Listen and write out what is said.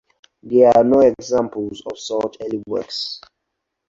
There are no examples of such early works.